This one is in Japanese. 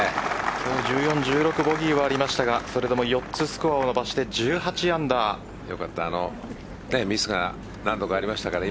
今日１４、１６ボギーはありましたがそれでも４つスコア伸ばしてミスが何度かありましたからね